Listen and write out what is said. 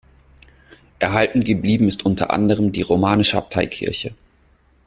Erhalten geblieben ist unter anderem die romanische Abteikirche.